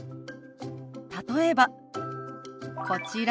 例えばこちら。